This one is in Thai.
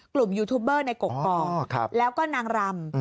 กลุ่มยูทูบเบอร์ในกกปองแล้วก็นางรำ